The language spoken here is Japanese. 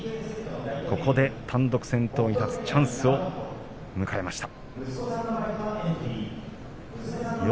ここで単独先頭に立つチャンスを迎えました。